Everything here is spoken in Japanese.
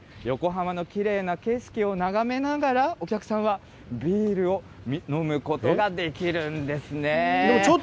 横浜のきれいな景色を眺めながら、お客さんはビールを飲むことができるんですね。